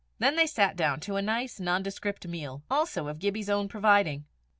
Then they sat down to a nice nondescript meal, also of Gibbie's own providing.